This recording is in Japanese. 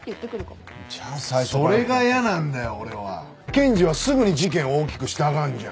検事はすぐに事件を大きくしたがるじゃん。